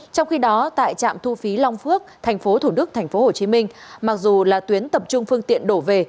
trong khi đó tại trạm thu phí long phước tp thủ đức tp hồ chí minh mặc dù là tuyến tập trung phương tiện đổ về